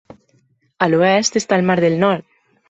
A l'oest està el Mar del Nord.